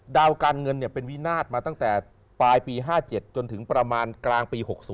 ดาวการเงินเป็นวินาศมาตั้งแต่ปลายปี๕๗จนถึงประมาณกลางปี๖๐